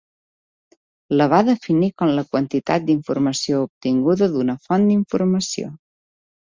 La va definir com la quantitat d'informació obtinguda d'una font d'informació.